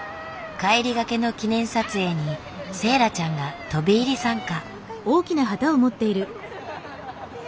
帰りがけの記念撮影にセーラちゃんが飛び入り参加。